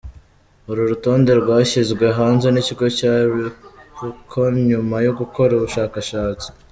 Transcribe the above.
Uru rutonde rwashyizwe hanze n’ikigo cya Repucon nyuma yo gukora ubushakashatsi.